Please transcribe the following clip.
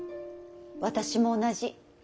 私も同じ。